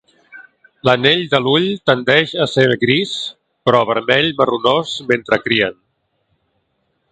L'anell de l'ull tendeix a ser gris, però vermell marronós mentre crien.